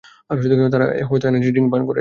তারা হয়তো energy drink পান করে।